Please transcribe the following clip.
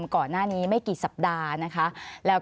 ขอบคุณครับ